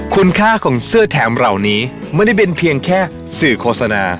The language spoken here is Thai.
คุณค่าของเสื้อแถมเหล่านี้ไม่ได้เป็นเพียงแค่สื่อโฆษณา